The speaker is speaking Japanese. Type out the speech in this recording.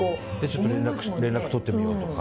ちょっと連絡取ってみようとか。